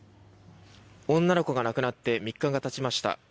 女の子が亡くなって３日がたちました。